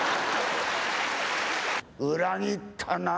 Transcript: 裏切ったな。